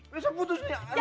biasa putus ya